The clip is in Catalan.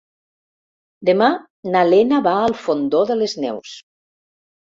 Demà na Lena va al Fondó de les Neus.